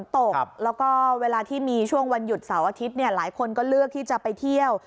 ตกแล้วก็เวลาที่มีช่วงวันหยุดเสาร์อาทิตย์เนี่ยหลายคนก็เลือกที่จะไปเที่ยว